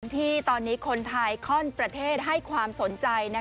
ที่ตอนนี้คนไทยข้อนประเทศให้ความสนใจ